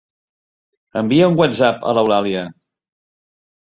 Envia un whatsapp a l'Eulàlia.